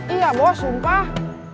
iya bos sumpah